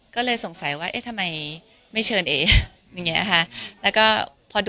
ก็เลยสงสัยว่าทำไมไม่เชิญฉัน